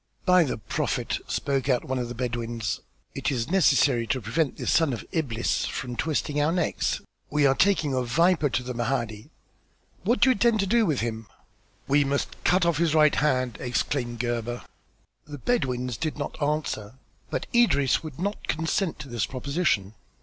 "By the prophet!" spoke out one of the Bedouins, "it is necessary to prevent this son of Iblis from twisting our necks. We are taking a viper to the Mahdi. What do you intend to do with him?" "We must cut off his right hand!" exclaimed Gebhr. The Bedouins did not answer, but Idris would not consent to this proposition.